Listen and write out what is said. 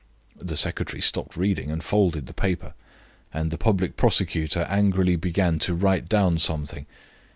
The secretary stopped reading and folded the paper, and the public prosecutor angrily began to write down something.